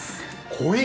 濃い！